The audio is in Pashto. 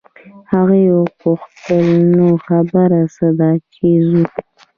هغې وپوښتل نو خبره څه ده چې ځو.